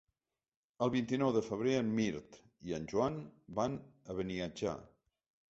El vint-i-nou de febrer en Mirt i en Joan van a Beniatjar.